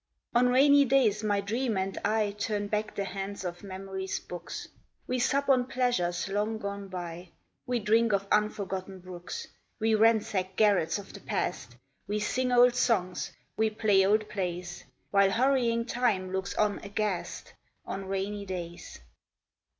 On rainy days, my dream and I Turn back the hands of memory's books: We sup on pleasures long gone by We drink of unforgotten brooks; We ransack garrets of the Past, We sing old songs, we play old plays; While hurrying Time looks on aghast, On rainy days.